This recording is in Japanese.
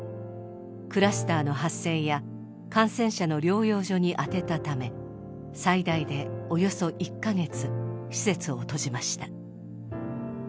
クラスターの発生や感染者の療養所に充てたため最大でおよそ１カ月施設を閉じました。